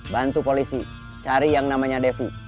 bantu polisi cari yang namanya devi